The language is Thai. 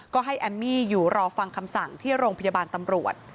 ก็ให้แอมมี่อยู่รอฟังคำสั่งที่โรงพยาบาลตำรวจ